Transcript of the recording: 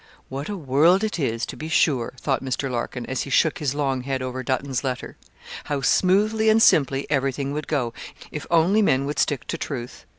'What a world it is, to be sure!' thought Mr. Larkin, as he shook his long head over Dutton's letter. 'How smoothly and simply everything would go, if only men would stick to truth!